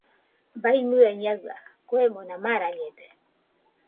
Baimɨe Ñaɨa kuemona marañede.